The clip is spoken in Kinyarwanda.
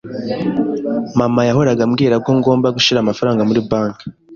Mama yahoraga ambwira ko ngomba gushyira amafaranga muri banki